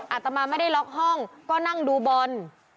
อาตมาไม่ได้ล็อกห้องก็นั่งดูบอล